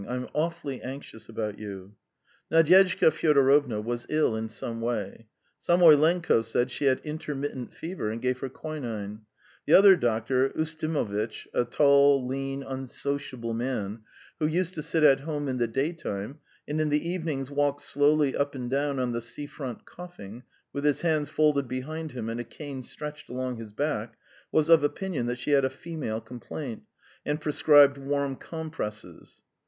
I am awfully anxious about you." Nadyezhda Fyodorovna was ill in some way. Samoylenko said she had intermittent fever, and gave her quinine; the other doctor, Ustimovitch, a tall, lean, unsociable man, who used to sit at home in the daytime, and in the evenings walk slowly up and down on the sea front coughing, with his hands folded behind him and a cane stretched along his back, was of opinion that she had a female complaint, and prescribed warm compresses.